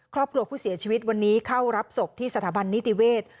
ครอบครัวผู้เสียชีวิตวันนี้เข้ารับศพที่สถาบันนิติเวศ